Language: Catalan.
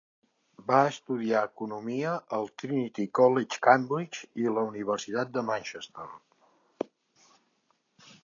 Va estudiar Economia al Trinity College, Cambridge i la Universitat de Manchester.